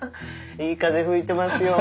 いい風吹いてますよ。